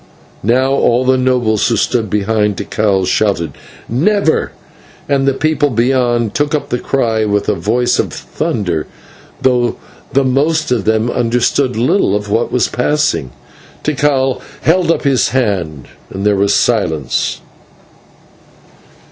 Now all the nobles who stood behind Tikal shouted "Never!" and the people beyond took up the cry with a voice of thunder, though the most of them understood little of what was passing. Tikal held up his hand, and there was silence.